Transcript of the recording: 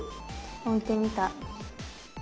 置いてみた。